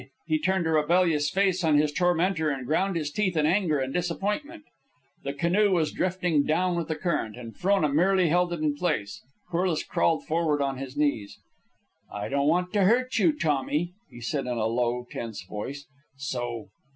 He turned a rebellious face on his tormentor, and ground his teeth in anger and disappointment. The canoe was drifting down with the current, and Frona merely held it in place. Corliss crawled forward on his knees. "I don't want to hurt you, Tommy," he said in a low, tense voice, "so